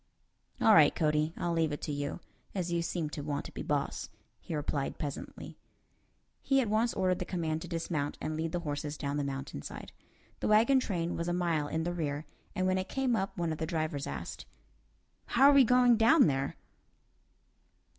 "All right, Cody, I'll leave it to you, as you seem to want to be boss," he replied, pleasantly. He at once ordered the command to dismount and lead the horses down the mountain side. The wagon train was a mile in the rear, and when it came up one of the drivers asked, "How are we going down there?"